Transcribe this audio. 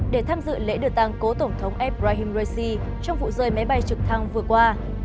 để tham dự lễ được tăng cố tổng thống ebrahim raisi trong vụ rơi máy bay trực thăng vừa qua